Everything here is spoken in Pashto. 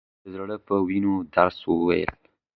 مې د زړه په وينو درس وويل.